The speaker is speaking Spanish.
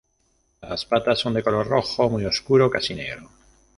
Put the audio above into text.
Las patas son de color rojo muy oscuro, casi negro.